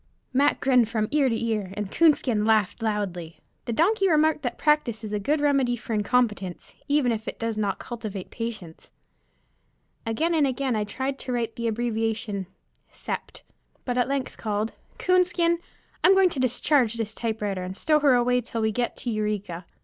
Mac grinned from ear to ear, and Coonskin laughed loudly. The donkey remarked that practice is a good remedy for incompetence, even if it does not cultivate patience. Again and again I tried to write the abbreviation "Sept.," but at length called "Coonskin, I'm going to discharge this typewriter, and stow her away till we get to Eureka."